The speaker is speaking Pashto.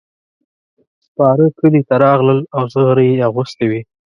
سپاره کلي ته راغلل او زغرې یې اغوستې وې.